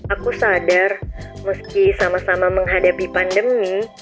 aku sadar meski sama sama menghadapi pandemi